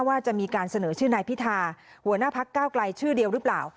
ว่าจะมีการเสนอชื่อนายพิธาหัวหน้าพักเก้าไกลชื่อเดียวหรือเปล่า